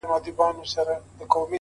• جنونه اوس مي پښو ته زولنې لرې که نه..